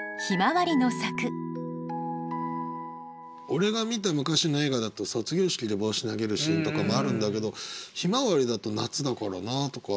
俺が見た昔の映画だと卒業式で帽子投げるシーンとかもあるんだけど「向日葵」だと夏だからなあとか。